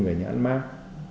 về nhãn mát